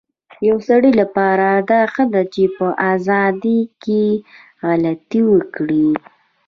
يو سړي لپاره دا ښه ده چي په ازادی کي غلطي وکړی